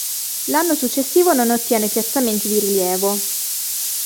L'anno successivo non ottiene piazzamenti di rilievo.